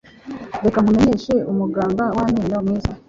Reka nkumenyeshe umuganga w’amenyo mwiza.